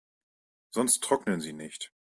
Sonst trocknen sie nicht.